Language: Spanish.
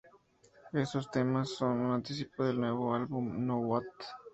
Estos temas son un anticipo del nuevo álbum, "Now What?!